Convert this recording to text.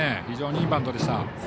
非常にいいバントでした。